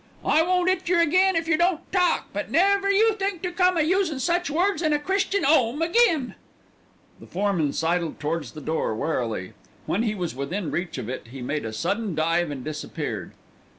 "I won't 'it yer again if yer don't talk, but never you think to come a usin' such words in a Christian 'ome again." The foreman sidled towards the door warily, When he was within reach of it he made a sudden dive and disappeared.